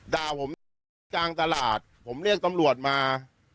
ด่าผมจ้างตลาดผมเรียกตำลวดมา